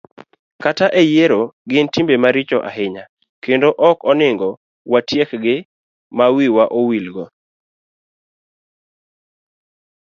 kata e yiero, gin timbe maricho ahinya kendo ok onego watiekgi ma wiwa wilgo.